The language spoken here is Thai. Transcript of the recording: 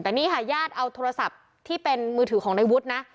แต่นี่ค่ะญาติเอาโทรศัพท์ที่เป็นมือถือของในวุฒินะ